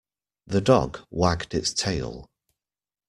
The dog wagged its tail.